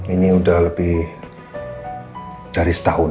ini udah lebih dari setahun